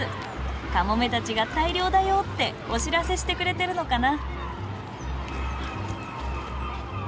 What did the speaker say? カモメたちが大漁だよってお知らせしてくれてるのかな。